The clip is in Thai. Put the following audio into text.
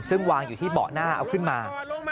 ซึ่งวางอยู่ที่เบาะหน้าเอาขึ้นมา